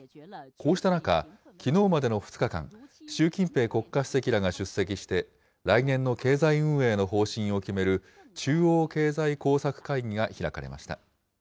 こうした中、きのうまでの２日間、習近平国家主席らが出席して、来年の経済運営の方針を決める、中央経済工作会議が開かれました。